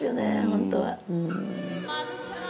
本当は。